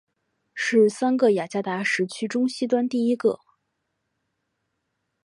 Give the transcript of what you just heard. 是三个雅加达时区中西端第一个。